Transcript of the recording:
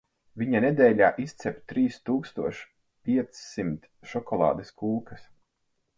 Viņa nedēļā izcep trīs tūkstoš piecsimt šokolādes kūkas.